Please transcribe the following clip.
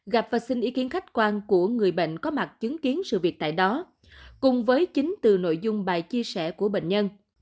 khiến khách quan của người bệnh có mặt chứng kiến sự việc tại đó cùng với chính từ nội dung bài chia sẻ của bệnh nhân